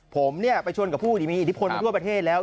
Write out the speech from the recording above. ผมไปชนกับผู้ที่มีอิทธิพลมาทั่วประเทศแล้ว